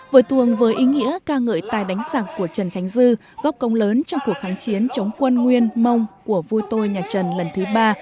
vở tuồng với ý nghĩa ca ngợi tai đánh sạc của trần khánh dư góp công lớn trong cuộc kháng chiến chống quân nguyên mong của vui tôi nhà trần lần thứ ba